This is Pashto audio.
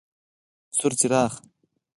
سور څراغ: